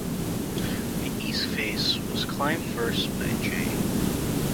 The east face was climbed first by J.